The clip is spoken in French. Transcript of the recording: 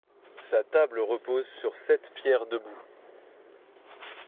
Sa table repose sur sept pierres debout.